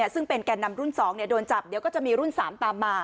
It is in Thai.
ซึ่งเป็นแก่นำรุ่น๒โดนจับเดี๋ยวก็จะมีรุ่น๓ตามมา